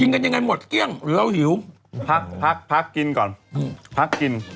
กันยังไงหมดเกลี้ยงเราหิวพักพักกินก่อนพักกิน